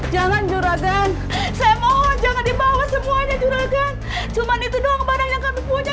jangan juragan saya mau jangan dibawa semuanya juragan cuman itu doang barang yang kami punya